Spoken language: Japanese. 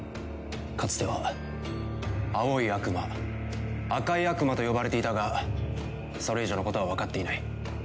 かつては青い悪魔赤い悪魔と呼ばれていたがそれ以上のことはわかっていない。